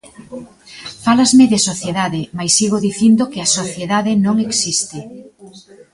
Fálasme de sociedade, mais sigo dicindo que a sociedade non existe.